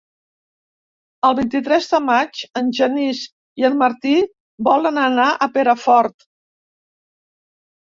El vint-i-tres de maig en Genís i en Martí volen anar a Perafort.